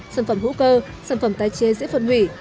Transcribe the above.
sản phẩm hữu cơ sản phẩm tái chế dễ phân hủy